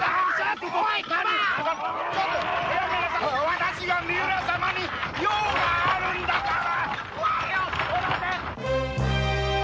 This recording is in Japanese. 私は三浦様に用があるんだから。